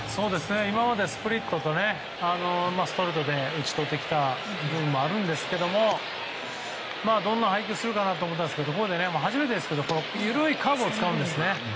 今までスプリットとストレートで打ち取ってきた部分もあるんですけどもどんな配球するかなと思ったんですが、初めて緩いカーブを使うんですね。